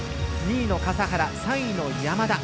２位の笠原、３位の山田。